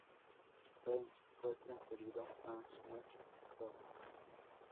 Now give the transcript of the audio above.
Helms fue transferido a "SmackDown!